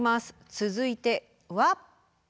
続いては。